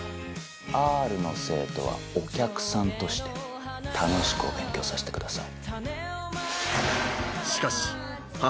Ｒの生徒はお客さんとして楽しくお勉強させてください。